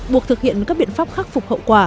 buộc thực hiện các biện pháp khắc phục hậu quả